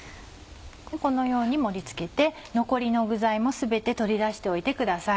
このように盛り付けて残りの具材も全て取り出しておいてください。